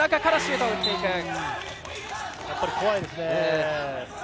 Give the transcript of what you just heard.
やっぱり怖いですね。